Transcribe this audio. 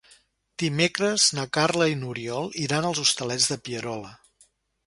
Dimecres na Carla i n'Oriol iran als Hostalets de Pierola.